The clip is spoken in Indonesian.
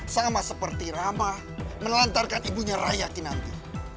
sama seperti rama menelantarkan ibunya raya kinandi